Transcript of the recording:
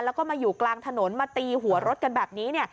แล้วก็มาอยู่กลางถนนมาตีหัวรถกันแบบนี้เนี่ย